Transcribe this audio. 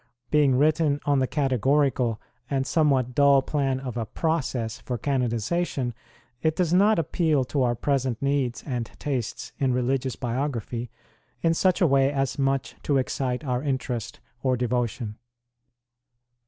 Being written on the categorical and somewhat dull plan of a process for canonization, it does not appeal to our present needs and tastes in religious biography in such a way as much to excite our interest or devotion.